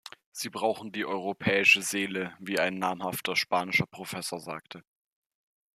Sie brauchen die "europäische Seele", wie ein namhafter spanischer Professor sagte.